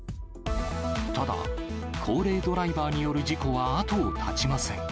ただ、高齢ドライバーによる事故は後を絶ちません。